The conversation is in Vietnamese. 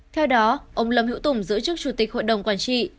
theo đó ông lâm hữu tùng giữ chức chủ tịch hội đồng quản trị